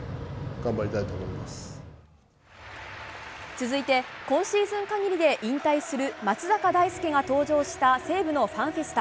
続いて今シーズン限りで引退する松坂大輔が登場した西武のファンフェスタ。